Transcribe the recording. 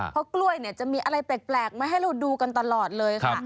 เพราะกล้วยเนี่ยจะมีอะไรแปลกมาให้เราดูกันตลอดเลยค่ะ